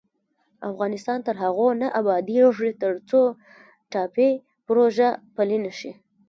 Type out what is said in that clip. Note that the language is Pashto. افغانستان تر هغو نه ابادیږي، ترڅو ټاپي پروژه پلې نشي.